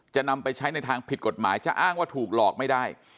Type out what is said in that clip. จะนำไปใช้ในทางผิดกฎหมายจะอ้างว่าถูกหลอกไม่ได้